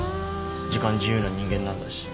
時間自由な人間なんだし。